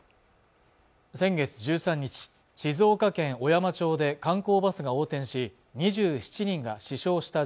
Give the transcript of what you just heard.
先月１３日静岡県小山町で観光バスが横転し２７人が死傷した